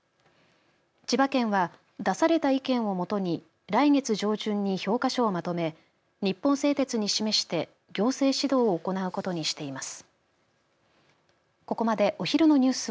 千葉県は出された意見をもとに来月上旬に評価書をまとめ日本製鉄に示して強制指導を行うことにしています。